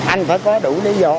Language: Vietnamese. anh phải có đủ lý do